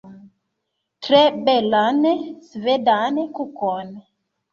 Tre belan svedan kukon